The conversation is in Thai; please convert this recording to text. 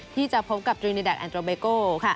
ที่จะพบกับจริงดิดักแอนโตเบโก้